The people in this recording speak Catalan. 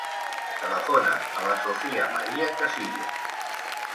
Telefona a la Sofia maria Casillas.